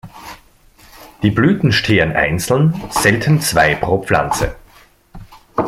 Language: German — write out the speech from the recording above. Die Blüten stehen einzeln, selten zwei pro Pflanze.